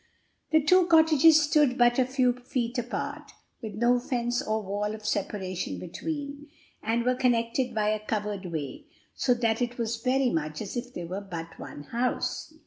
The two cottages stood but a few feet apart, with no fence or wall of separation between, and were connected by a covered way; so that it was very much as if they were but one house.